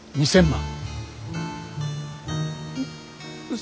３，０００万！？